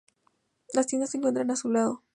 Las tiendas se encuentran a su lado.